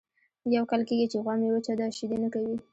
یو کال کېږي چې غوا مې وچه ده شیدې نه کوي.